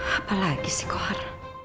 apa lagi sih kohar